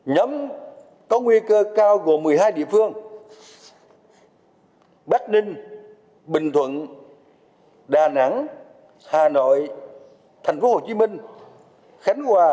nhóm có nguy cơ cao gồm một mươi hai địa phương bắc ninh bình thuận đà nẵng hà nội thành phố hồ chí minh khánh hòa